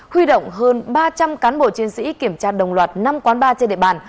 huy động hơn ba trăm linh cán bộ chiến sĩ kiểm tra đồng loạt năm quán bar trên địa bàn